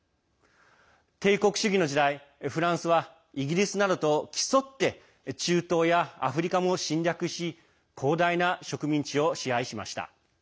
帝国主義の時代フランスはイギリスなどと競って中東やアフリカも侵略し広大な植民地を支配しました。